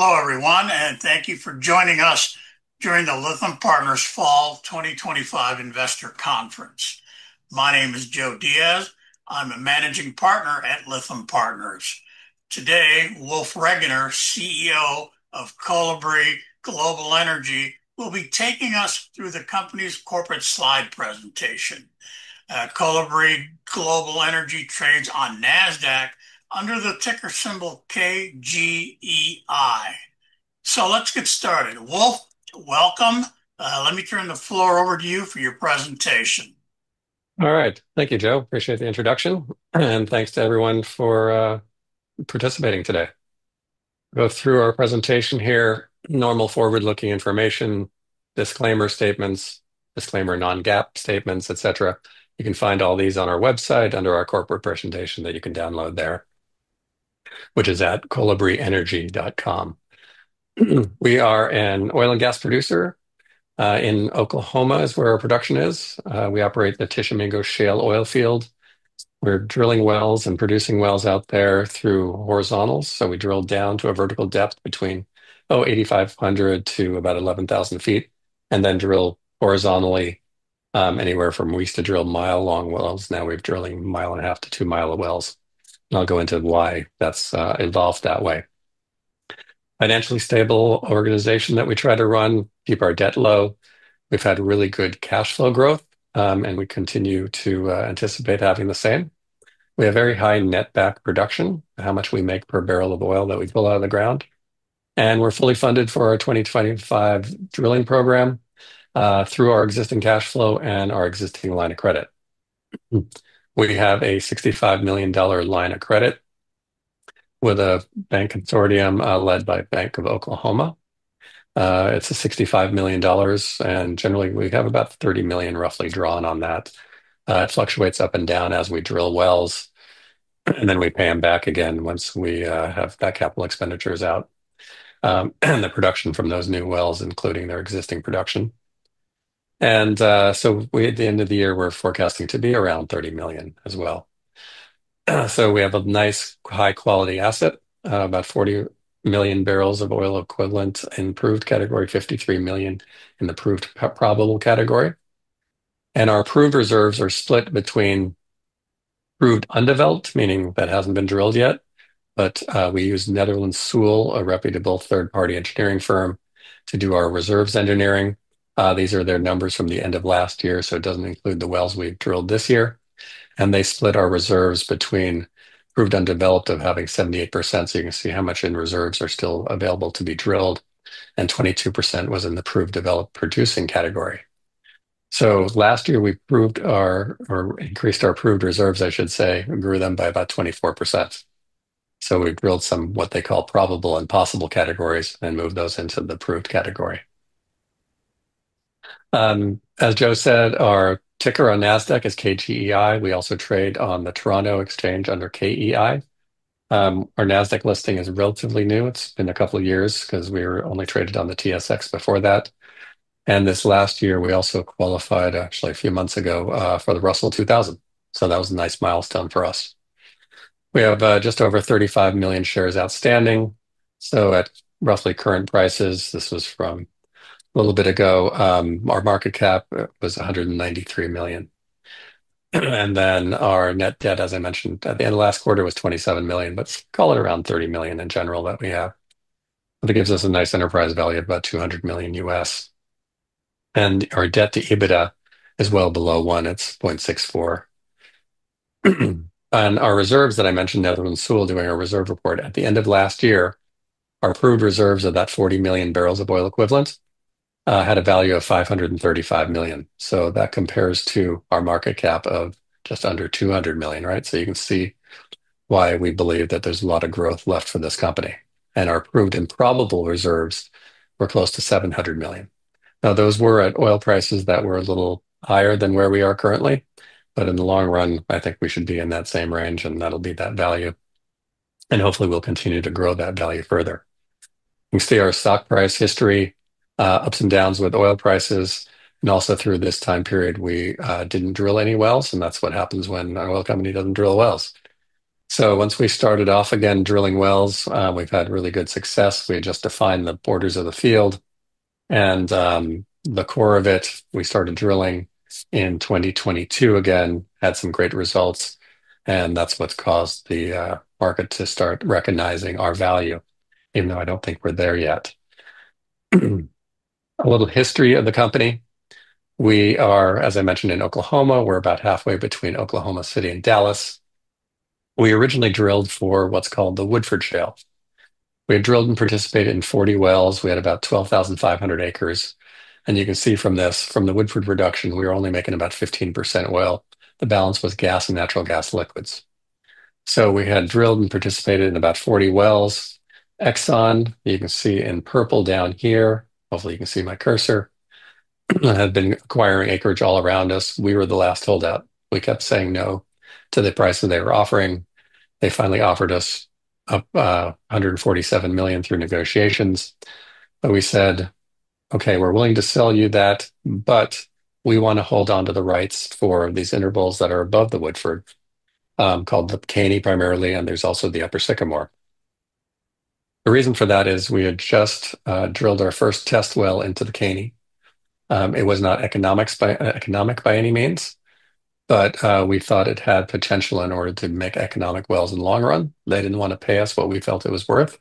Hello everyone, and thank you for joining us during the Lytham Partners Fall 2025 Investor Conference. My name is Joe Diaz. I'm a Managing Partner at Lytham Partners. Today, Wolf Regener, CEO of Kolibri Global Energy, will be taking us through the company's corporate slide presentation. Kolibri Global Energy trades on Nasdaq under the ticker symbol KGEI. Let's get started. Wolf, welcome. Let me turn the floor over to you for your presentation. All right, thank you, Joe. Appreciate the introduction, and thanks to everyone for participating today. I'll go through our presentation here. Normal forward-looking information, disclaimer statements, disclaimer non-GAAP statements, etc. You can find all these on our website under our corporate presentation that you can download there, which is at kolibrienergy.com. We are an oil and gas producer. In Oklahoma is where our production is. We operate the Tishomingo Shale Oil Field. We're drilling wells and producing wells out there through horizontals. We drill down to a vertical depth between, oh, 8,500 ft to about 11,000 ft and then drill horizontally, anywhere from, we used to drill mile-long wells. Now we're drilling 1.5 mi-2 mi wells. I'll go into why that's involved that way. Financially stable organization that we try to run, keep our debt low. We've had really good cash flow growth, and we continue to anticipate having the same. We have very high netback production, how much we make per barrel of oil that we pull out of the ground. We're fully funded for our 2025 drilling program through our existing cash flow and our existing line of credit. We have a $65 million line of credit with a bank consortium led by Bank of Oklahoma. It's a $65 million, and generally we have about $30 million roughly drawn on that. It fluctuates up and down as we drill wells, and then we pay them back again once we have that capital expenditure out and the production from those new wells, including their existing production. At the end of the year, we're forecasting to be around $30 million as well. We have a nice high-quality asset, about 40 million barrels of oil equivalent in approved category, 53 million in the approved probable category. Our approved reserves are split between approved undeveloped, meaning that hasn't been drilled yet, but we use Netherland, Sewell, a reputable third-party engineering firm, to do our reserves engineering. These are their numbers from the end of last year, so it doesn't include the wells we've drilled this year. They split our reserves between approved undeveloped of having 78%, so you can see how much in reserves are still available to be drilled, and 22% was in the approved developed producing category. Last year we approved our, or increased our approved reserves, I should say, grew them by about 24%. We drilled some what they call probable and possible categories and moved those into the approved category. As Joe said, our ticker on Nasdaq is KGEI. We also trade on the Toronto Exchange under KEI. Our Nasdaq listing is relatively new. It's been a couple of years because we were only traded on the TSX before that. This last year, we also qualified, actually a few months ago, for the Russell 2000. That was a nice milestone for us. We have just over 35 million shares outstanding. At roughly current prices, this was from a little bit ago, our market cap was $193 million. Our net debt, as I mentioned at the end of last quarter, was $27 million, but call it around $30 million in general that we have. That gives us a nice enterprise value of about $200 million U.S. Our debt to EBITDA is well below one. It's 0.64. Our reserves that I mentioned, Netherland, Sewell doing our reserve report at the end of last year, our approved reserves of that 40 million barrels of oil equivalent had a value of $535 million. That compares to our market cap of just under $200 million, right? You can see why we believe that there's a lot of growth left for this company. Our approved and probable reserves were close to $700 million. Those were at oil prices that were a little higher than where we are currently, but in the long run, I think we should be in that same range, and that'll be that value. Hopefully we'll continue to grow that value further. You can see our stock price history, ups and downs with oil prices, and also through this time period, we didn't drill any wells, and that's what happens when an oil company doesn't drill wells. Once we started off again drilling wells, we've had really good success. We had just defined the borders of the field. The core of it, we started drilling in 2022 again, had some great results, and that's what's caused the market to start recognizing our value, even though I don't think we're there yet. A little history of the company. We are, as I mentioned, in Oklahoma. We're about halfway between Oklahoma City and Dallas. We originally drilled for what's called the Woodford Shale. We had drilled and participated in 40 wells. We had about 12,500 acres. You can see from this, from the Woodford reduction, we were only making about 15% oil. The balance was gas and natural gas liquids. We had drilled and participated in about 40 wells. Exxon, you can see in purple down here. Hopefully, you can see my cursor. I had been acquiring acreage all around us. We were the last holdout. We kept saying no to the price that they were offering. They finally offered us up $147 million through negotiations. We said, okay, we're willing to sell you that, but we want to hold on to the rights for these intervals that are above the Woodford, called the Caney primarily, and there's also the Upper Sycamore. The reason for that is we had just drilled our first test well into the Caney. It was not economic by any means, but we thought it had potential in order to make economic wells in the long run. They didn't want to pay us what we felt it was worth.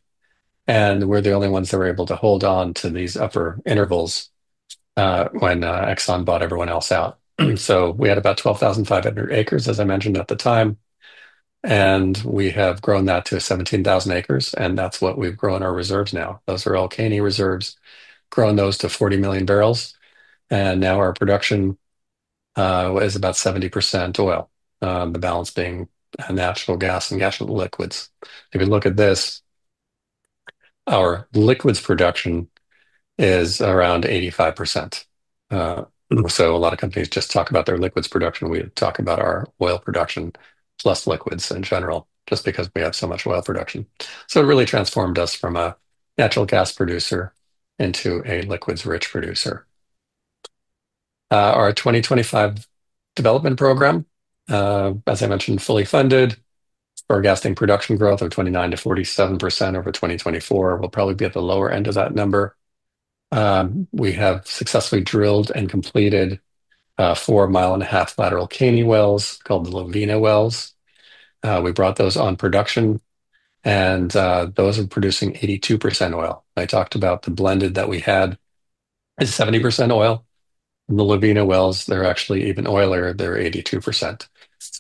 We're the only ones that were able to hold on to these upper intervals when Exxon bought everyone else out. We had about 12,500 acres, as I mentioned at the time. We have grown that to 17,000 acres, and that's what we've grown our reserves now. Those are all Caney reserves, grown those to 40 million barrels. Now our production is about 70% oil, the balance being natural gas and natural liquids. If you look at this, our liquids production is around 85%. A lot of companies just talk about their liquids production. We talk about our oil production plus liquids in general, just because we have so much oil production. It really transformed us from a natural gas producer into a liquids-rich producer. Our 2025 development program, as I mentioned, fully funded for gasoline production growth of 29%-47% over 2024. We'll probably be at the lower end of that number. We have successfully drilled and completed 4.5 mi lateral Caney wells called the Lovina wells. We brought those on production, and those are producing 82% oil. I talked about the blended that we had is 70% oil. The Lovina wells, they're actually even oilier. They're 82%.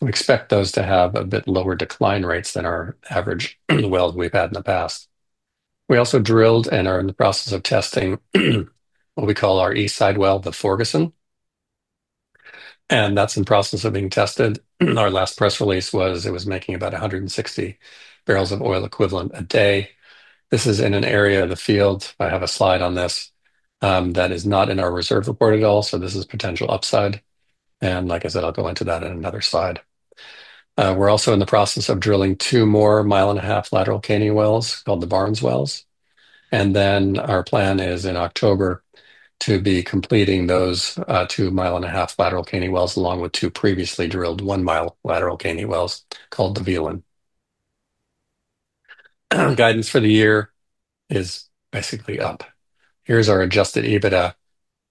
We expect those to have a bit lower decline rates than our average wells we've had in the past. We also drilled and are in the process of testing what we call our East side well, the Forguson. That's in the process of being tested. Our last press release was it was making about 160 barrels of oil equivalent a day. This is in an area of the field. I have a slide on this that is not in our reserve report at all. This is potential upside. Like I said, I'll go into that in another slide. We're also in the process of drilling two more 1.5 mi lateral Caney wells called the Barnes wells. Our plan is in October to be completing those two 1.5 mi lateral Caney wells, along with two previously drilled 1 mi lateral Caney wells called the Velin. Our guidance for the year is basically up. Here's our adjusted EBITDA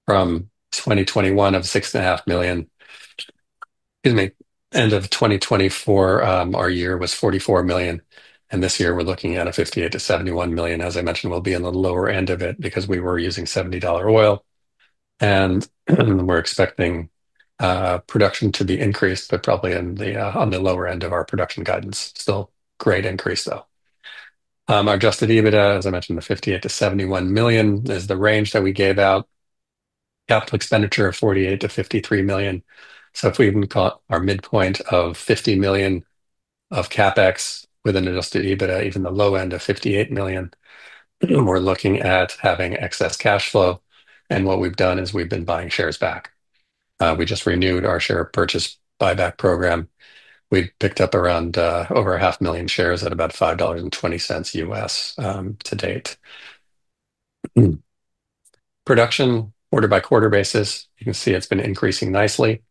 from 2021 of $6.5 million. Excuse me, end of 2024, our year was $44 million. This year we're looking at a $58 million-$71 million. As I mentioned, we'll be on the lower end of it because we were using $70 oil. We're expecting production to be increased, but probably on the lower end of our production guidance. Still great increase though. Our adjusted EBITDA, as I mentioned, the $58 million-$71 million is the range that we gave out. Capital expenditure of $48 million-$53 million. If we even caught our midpoint of $50 million of CapEx with an adjusted EBITDA, even the low end of $58 million, we're looking at having excess cash flow. What we've done is we've been buying shares back. We just renewed our share purchase buyback program. We've picked up around over 500,000 shares at about $5.20 U.S. to date. Production order by quarter basis, you can see it's been increasing nicely.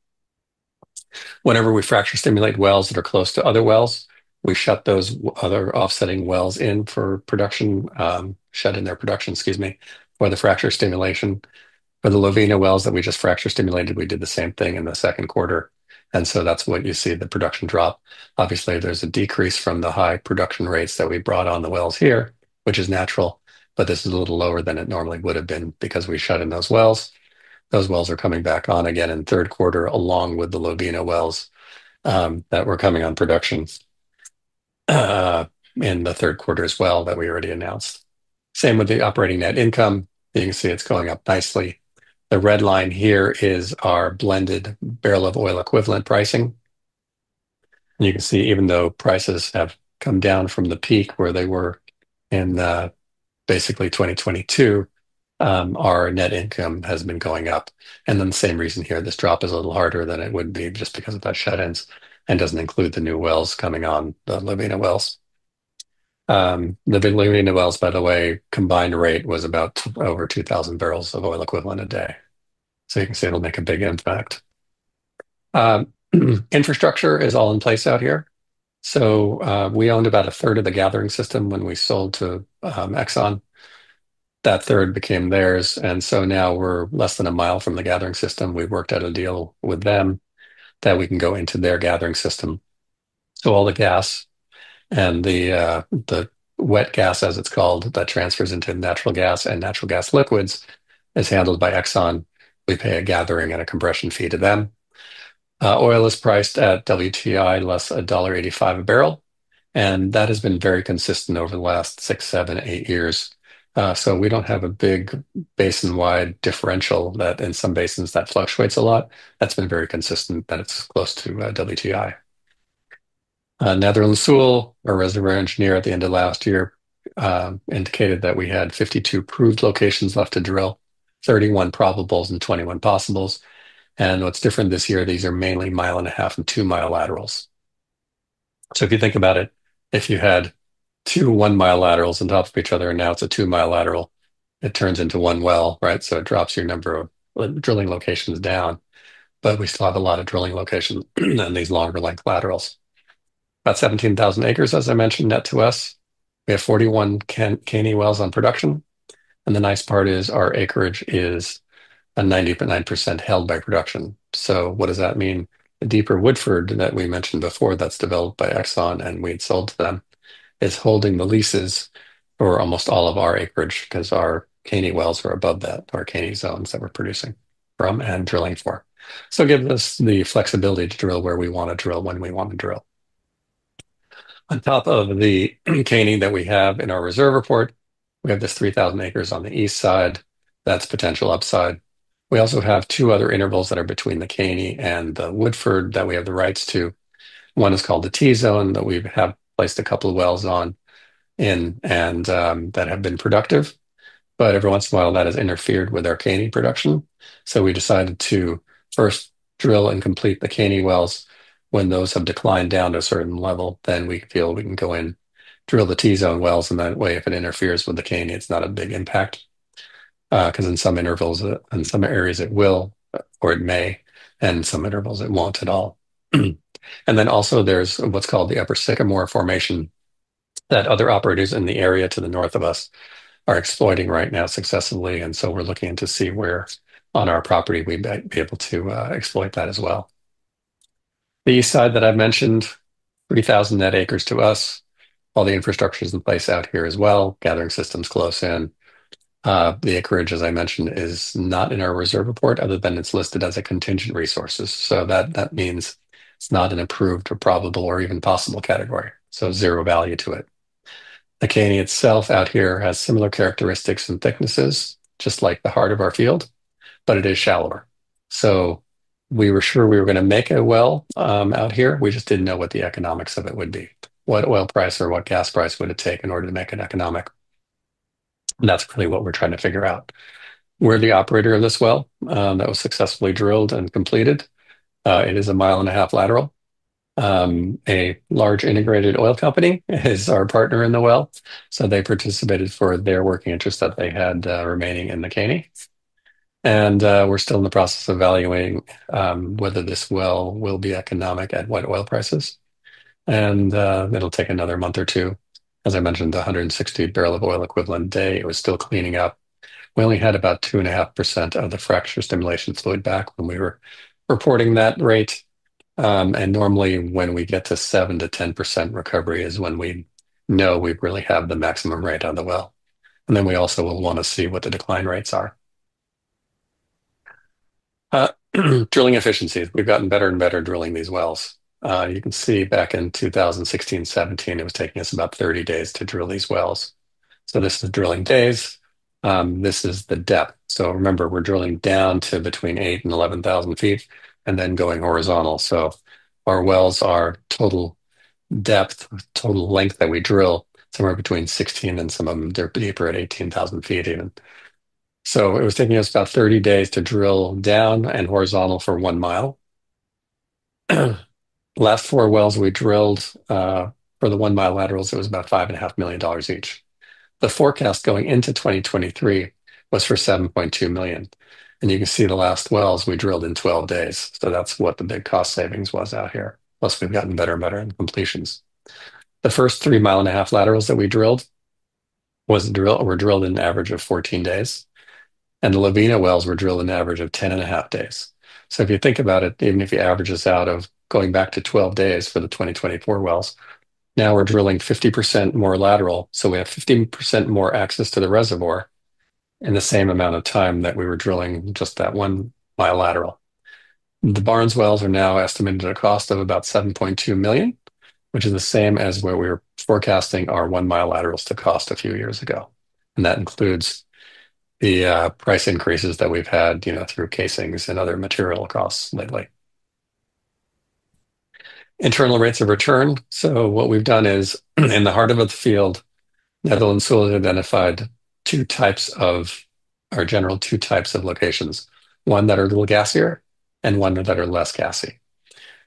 Whenever we fracture stimulate wells that are close to other wells, we shut those other offsetting wells in for production, shut in their production, or the fracture stimulation. For the Lovina wells that we just fracture stimulated, we did the same thing in the second quarter. That's what you see the production drop. Obviously, there's a decrease from the high production rates that we brought on the wells here, which is natural, but this is a little lower than it normally would have been because we shut in those wells. Those wells are coming back on again in third quarter, along with the Lovina wells that were coming on production in the third quarter as well that we already announced. Same with the operating net income. You can see it's going up nicely. The red line here is our blended barrel of oil equivalent pricing. You can see even though prices have come down from the peak where they were in basically 2022, our net income has been going up. The same reason here, this drop is a little harder than it would be just because of the shut-ins and doesn't include the new wells coming on the Lovina wells. The Lovina wells, by the way, combined rate was about over 2,000 barrels of oil equivalent a day. You can see it'll make a big impact. Infrastructure is all in place out here. We owned about 1/3 of the gathering system when we sold to Exxon. That 1/3 became theirs. Now we're less than 1 mi from the gathering system. We worked out a deal with them that we can go into their gathering system. All the gas and the wet gas, as it's called, that transfers into natural gas and natural gas liquids is handled by Exxon. We pay a gathering and a compression fee to them. Oil is priced at WTI less $1.85 a barrel. That has been very consistent over the last six, seven, eight years. We don't have a big basin-wide differential that in some basins fluctuates a lot. That's been very consistent that it's close to WTI. Netherland, Sewell, our reservoir engineer at the end of last year, indicated that we had 52 approved locations left to drill, 31 probables, and 21 possibles. What's different this year is these are mainly 1.5 mi and 2 mi laterals. If you think about it, if you had two 1 mi laterals on top of each other and now it's a 2 mi lateral, it turns into one well, right? It drops your number of drilling locations down. We still have a lot of drilling locations in these longer length laterals. About 17,000 acres, as I mentioned, net to us. We have 41 Caney wells on production. The nice part is our acreage is 99% held by production. What does that mean? A deeper Woodford that we mentioned before that's developed by Exxon and we had sold to them is holding the leases for almost all of our acreage because our Caney wells are above that, our Caney zones that we're producing from and drilling for. It gives us the flexibility to drill where we want to drill when we want to drill. On top of the Caney that we have in our reserve report, we have this 3,000 acres on the East side. That's potential upside. We also have two other intervals that are between the Caney and the Woodford that we have the rights to. One is called the T-zone that we have placed a couple of wells on and that have been productive. Every once in a while, that has interfered with our Caney production. We decided to first drill and complete the Caney wells. When those have declined down to a certain level, then we feel we can go in, drill the T-zone wells. That way, if it interferes with the Caney, it's not a big impact. In some intervals, in some areas, it will or it may, and in some intervals, it won't at all. There is what's called the Upper Sycamore formation that other operators in the area to the North of us are exploiting right now successfully. We are looking to see where on our property we might be able to exploit that as well. The East side that I mentioned, 3,000 net acres to us. All the infrastructure is in place out here as well. Gathering systems are close in. The acreage, as I mentioned, is not in our reserve report other than it's listed as a contingent resource. That means it's not an approved or probable or even possible category, so zero value to it. The Caney itself out here has similar characteristics and thicknesses, just like the heart of our field, but it is shallower. We were sure we were going to make it well out here. We just didn't know what the economics of it would be. What oil price or what gas price would it take in order to make it economic? That is really what we're trying to figure out. We are the operator of this well that was successfully drilled and completed. It is 1.5 mi lateral. A large integrated oil company is our partner in the well. They participated for their working interest that they had remaining in the Caney. We are still in the process of evaluating whether this well will be economic at what oil prices. It will take another month or two. As I mentioned, 160 barrel of oil equivalent a day. It was still cleaning up. We only had about 2.5% of the fracture stimulation fluid back when we were reporting that rate. Normally when we get to 7%-10% recovery is when we know we really have the maximum rate on the well. We also will want to see what the decline rates are. Drilling efficiency has gotten better and better at drilling these wells. You can see back in 2016-2017, it was taking us about 30 days to drill these wells. This is drilling days. This is the depth. Remember, we're drilling down to between 8,000 ft and 11,000 ft and then going horizontal. Our wells are total depth, total length that we drill, somewhere between 16,000 ft and some of them, they're deeper at 18,000 ft even. It was taking us about 30 days to drill down and horizontal for 1 mi. The last four wells we drilled for the 1 mi laterals, it was about $5.5 million each. The forecast going into 2023 was for $7.2 million. You can see the last wells we drilled in 12 days. That is what the big cost savings was out here. Plus, we've gotten better and better in completions. The first 3.5 mi laterals that we drilled were drilled in an average of 14 days. The Lovina wells were drilled in an average of 10.5 days. If you think about it, even if you average this out of going back to 12 days for the 2024 wells, now we're drilling 50% more lateral. We have 15% more access to the reservoir in the same amount of time that we were drilling just that 1 mi lateral. The Barnes wells are now estimated at a cost of about $7.2 million, which is the same as what we were forecasting our 1 mi laterals to cost a few years ago. That includes the price increases that we've had through casings and other material costs lately. Internal rates of return. What we've done is in the heart of the field, Netherland, Sewell has identified two types of our general, two types of locations, one that are a little gassier and one that are less gassy.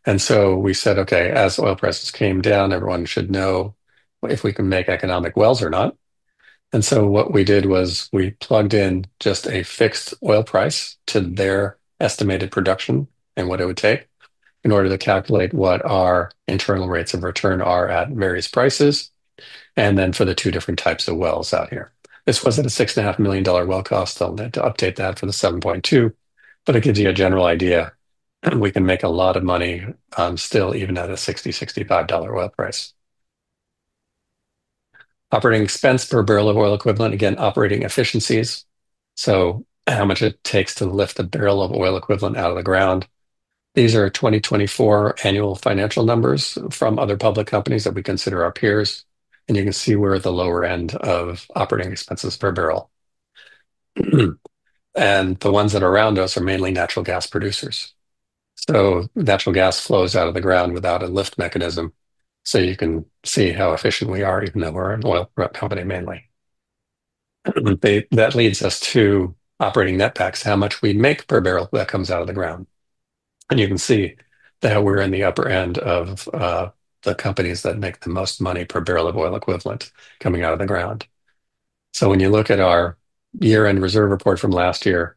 We said, okay, as oil prices came down, everyone should know if we can make economic wells or not. We plugged in just a fixed oil price to their estimated production and what it would take in order to calculate what our internal rates of return are at various prices for the two different types of wells out here. This was at a $6.5 million well cost. I'll need to update that for the $7.2 million, but it gives you a general idea. We can make a lot of money still even at a $60 million-$65 million well price. Operating expense per barrel of oil equivalent, again, operating efficiencies. How much it takes to lift a barrel of oil equivalent out of the ground. These are 2024 annual financial numbers from other public companies that we consider our peers. You can see we're at the lower end of operating expenses per barrel. The ones that are around us are mainly natural gas producers. Natural gas flows out of the ground without a lift mechanism. You can see how efficient we are, even though we're an oil prep company mainly. That leads us to operating netbacks, how much we make per barrel that comes out of the ground. You can see that we're in the upper end of the companies that make the most money per barrel of oil equivalent coming out of the ground. When you look at our year-end reserve report from last year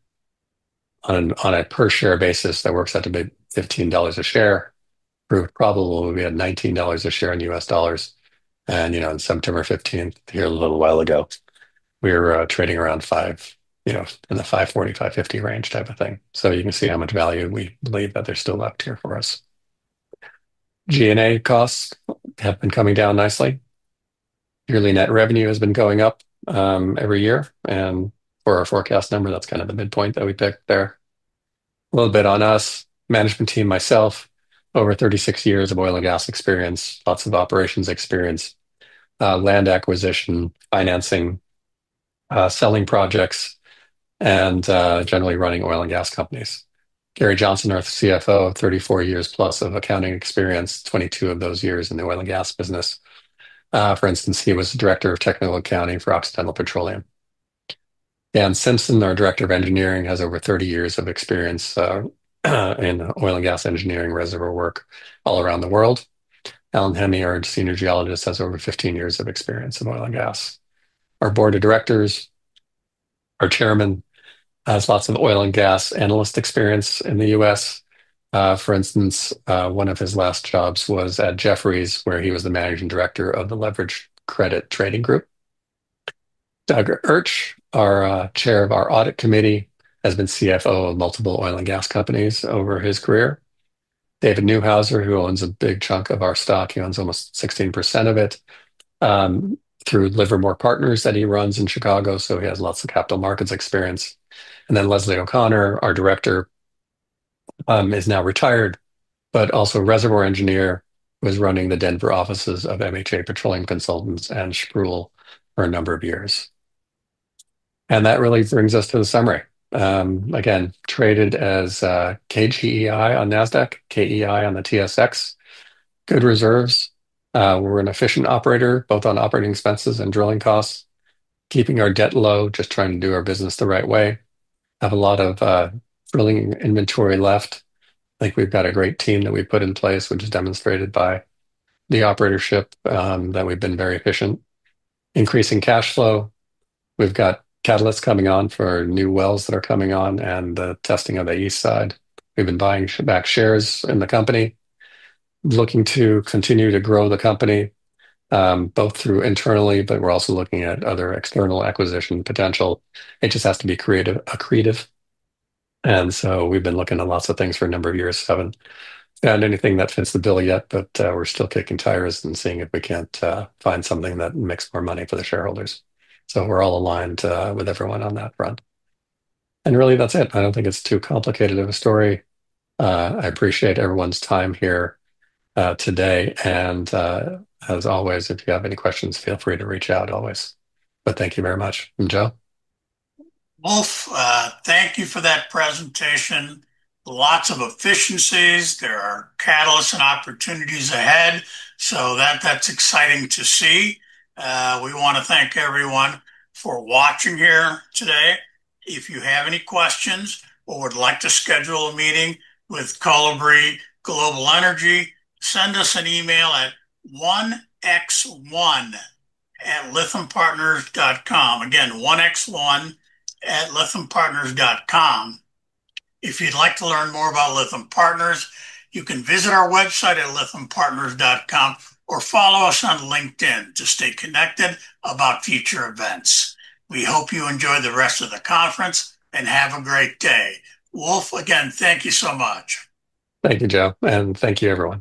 on a per share basis that works out to be $15 a share, we're probably at $19 a share in U.S. dollars. On September 15, a little while ago, we were trading around $5, in the $5.40, $5.50 range type of thing. You can see how much value we believe that there's still left here for us. G&A costs have been coming down nicely. Yearly net revenue has been going up every year. For our forecast number, that's kind of the midpoint that we picked there. A little bit on us, management team, myself, over 36 years of oil and gas experience, lots of operations experience, land acquisition, financing, selling projects, and generally running oil and gas companies. Gary Johnson, our CFO, 34+ years of accounting experience, 22 of those years in the oil and gas business. For instance, he was the Director of Technical Accounting for Occidental Petroleum. Dan Simpson, our Director of Engineering, has over 30 years of experience in oil and gas engineering reservoir work all around the world. Allan Hemmy, Senior Geologist, has over 15 years of experience in oil and gas. Our Board of Directors, our Chairman, has lots of oil and gas analyst experience in the U.S. For instance, one of his last jobs was at Jefferies, where he was the Managing Director of the Leverage Credit Trading Group. Doug Urch, our Chair of our Audit Committee, has been CFO of multiple oil and gas companies over his career. David Neuhauser, who owns a big chunk of our stock, owns almost 16% of it through Livermore Partners that he runs in Chicago. He has lots of capital markets experience. Leslie O'Connor, our Director, is now retired, but also a reservoir engineer, was running the Denver offices of MHA Petroleum Consultants and Sproule for a number of years. That really brings us to the summary. Traded as KGEI on Nasdaq, KEI on the TSX, good reserves. We're an efficient operator, both on operating expenses and drilling costs, keeping our debt low, just trying to do our business the right way. Have a lot of drilling inventory left. We've got a great team that we put in place, which is demonstrated by the operatorship that we've been very efficient. Increasing cash flow. We've got catalysts coming on for new wells that are coming on and the testing of the East side. We've been buying back shares in the company, looking to continue to grow the company, both through internally, but we're also looking at other external acquisition potential. It just has to be creative. We have been looking at lots of things for a number of years, haven't found anything that fits the bill yet, but we're still kicking tires and seeing if we can't find something that makes more money for the shareholders. We are all aligned with everyone on that front. That is it. I don't think it's too complicated of a story. I appreciate everyone's time here today. As always, if you have any questions, feel free to reach out always. Thank you very much. Joe. Wolf, thank you for that presentation. Lots of efficiencies. There are catalysts and opportunities ahead. That's exciting to see. We want to thank everyone for watching here today. If you have any questions or would like to schedule a meeting with Kolibri Global Energy, send us an email at 1x1@lythampartners.com. Again, 1x1@lythampartners.com. If you'd like to learn more about Lytham Partners, you can visit our website at lythampartners.com or follow us on LinkedIn to stay connected about future events. We hope you enjoy the rest of the conference and have a great day. Wolf, again, thank you so much. Thank you, Joe, and thank you everyone.